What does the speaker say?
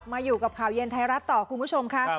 อยู่กับข่าวเย็นไทยรัฐต่อคุณผู้ชมค่ะ